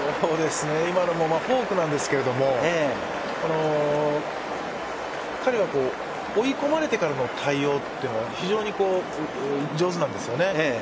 今のもフォークなんですが、彼は追い込まれてからの対応というのが非常に上手なんです。